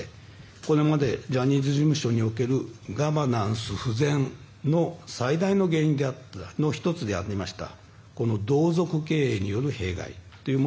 これまでジャニーズ事務所におけるガバナンス不全の最大の原因の１つでありました